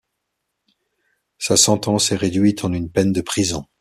Sa sentence est réduite en une peine de prison.